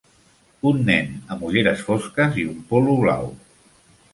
Un nen amb ulleres fosques i un polo blau.